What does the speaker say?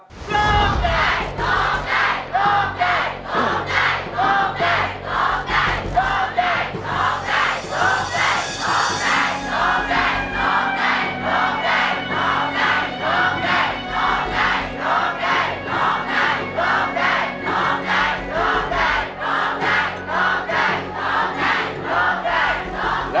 ร้องได้ร้องได้ร้องได้